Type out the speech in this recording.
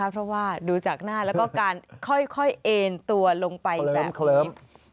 เพราะว่าดูจากหน้าแล้วก็การค่อยเอ็นตัวลงไปแบบนี้